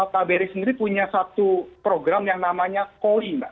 kbri sendiri punya satu program yang namanya koi mbak